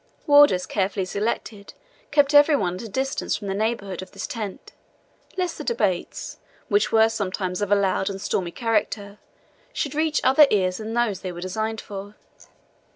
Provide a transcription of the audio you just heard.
Warders, carefully selected, kept every one at a distance from the neighbourhood of this tent, lest the debates, which were sometimes of a loud and stormy character, should reach other ears than those they were designed for.